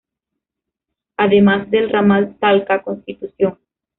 Además del Ramal Talca-Constitución.